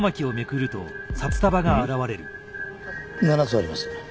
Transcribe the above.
７つあります。